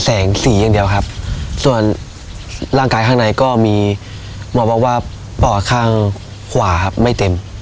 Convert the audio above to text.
แสงสีอย่างเดียวครับส่วนร่างกายข้างในก็มีหมอบอกว่าปอดข้างขวาครับไม่เต็ม